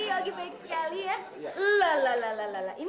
ogi baik sekali ya